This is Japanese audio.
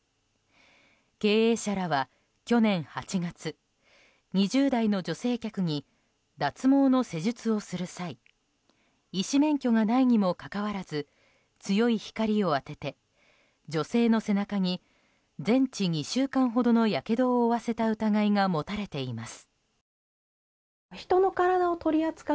経営者らは、去年８月２０代の女性客に脱毛の施術をする際医師免許がないにもかかわらず強い光を当てて女性の背中に全治２週間ほどのやけどを負わせた疑いが持たれています。